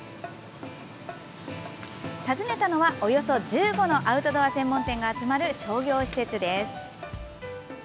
訪ねたのは、およそ１５のアウトドア専門店が集まる商業施設です。